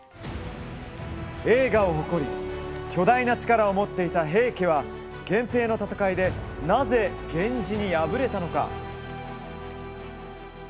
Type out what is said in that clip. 栄華を誇り強大な力を持っていた平家は源平の戦いでなぜ、源氏に敗れたのか？